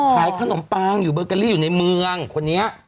ขายขนมปังอยู่เบอร์เกอรี่อยู่ในเมืองคนนี้